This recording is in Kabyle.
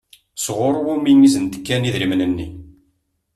Sɣur wumi i sen-d-kan idrimen-nni?